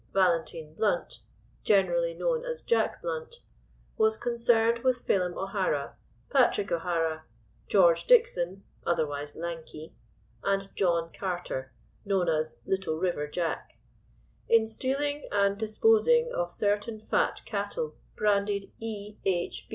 Valentine Blount—generally known as 'Jack Blunt,' was concerned with Phelim O'Hara, Patrick O'Hara, George Dixon (otherwise Lanky), and John Carter, known as 'Little River Jack,' in stealing and disposing of certain fat cattle branded E.H.